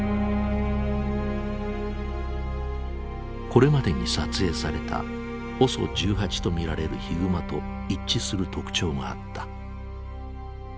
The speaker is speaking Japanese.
これまでに撮影されたＯＳＯ１８と見られるヒグマと一致する特徴があった。